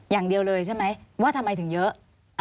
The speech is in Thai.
อย่างเดียวเลยใช่ไหมว่าทำไมถึงเยอะ